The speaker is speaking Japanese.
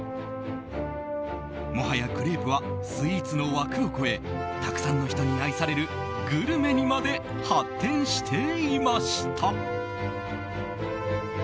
もはやクレープはスイーツの枠を超えたくさんの人に愛されるグルメにまで発展していました。